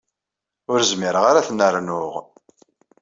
Ur zmireɣ ara ad ten-rnuɣ.